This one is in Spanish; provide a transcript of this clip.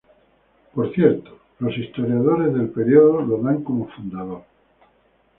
Por cierto, los historiadores del período lo dan como fundador.